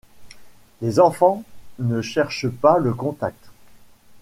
Les enfants ne cherchent pas le contact.